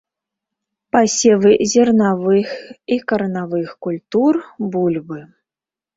Пасевы зерневых і кармавых культур, бульбы.